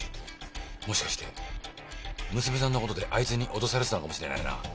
もしかして娘さんのことであいつに脅されてたのかもしれないな。